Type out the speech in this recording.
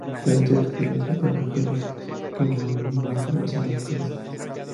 Deben ser capaces de atrapar las pelotas que vuelan por encima de su cabeza.